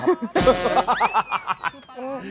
ฮ่า